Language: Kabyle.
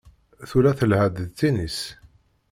Tura telha-d d tinis.